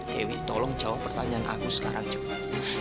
dewi tolong jawab pertanyaan aku sekarang coba